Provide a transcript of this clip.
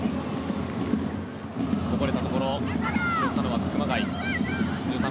こぼれたところ拾ったのは熊谷。